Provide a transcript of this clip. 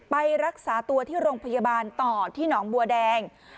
ไปรักษาตัวที่โรงพยาบาลต่อที่หนองบัวแดง